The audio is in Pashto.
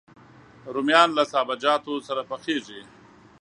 رومیان له سابهجاتو سره پخېږي